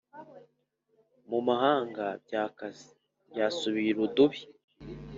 Mu mahanga byakaze byasubiye irudubi